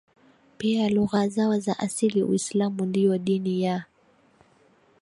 pia lugha zao za asili Uislamu ndio dini ya